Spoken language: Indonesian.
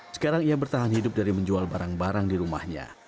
sekarang ia bertahan hidup dari menjual barang barang di rumahnya